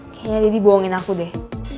kayaknya dedi bohongin aku deh